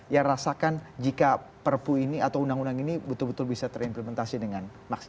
yang rasakan jika perpu ini atau undang undang ini betul betul bisa terimplementasi dengan maksimal